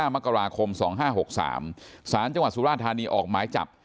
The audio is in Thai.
มกราคม๒๕๖๓สารจังหวัดสุราธานีออกหมายจับ